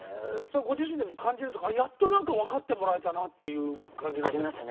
それはご自身でも感じるというかやっと分かってもらえたなっていう感じなんですか？